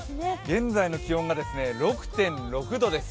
現在の気温が６．６度です。